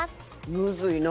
「むずいな」